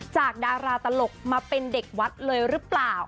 จากดาราตลกมาเป็นเด็กวัดเลยหรือเปล่า